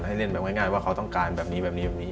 ให้เล่นแบบง่ายว่าเขาต้องการแบบนี้แบบนี้แบบนี้